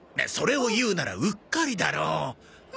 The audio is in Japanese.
それを言うなら「うっかり」だろ。